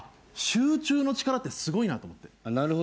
集中の力ってすごいなと思って。